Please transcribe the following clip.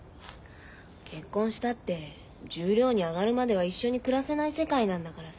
結婚したって十両に上がるまでは一緒に暮らせない世界なんだからさ。